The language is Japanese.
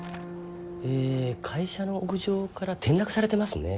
え会社の屋上から転落されてますね。